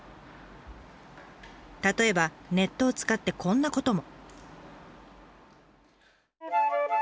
例えばネットを使ってこんなことも。